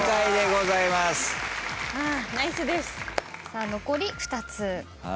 さあ残り２つ。